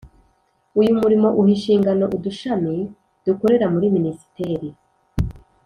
uyu murimo uha inshingano udushami dukorera muri minisiteri